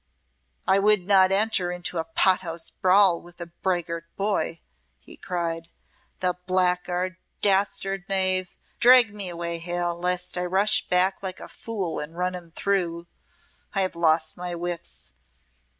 "I would not enter into a pot house brawl with a braggart boy," he cried. "The blackguard, dastard knave! Drag me away, Hal, lest I rush back like a fool and run him through! I have lost my wits.